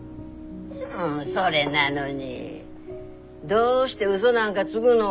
それなのにどうしてうそなんかつぐの。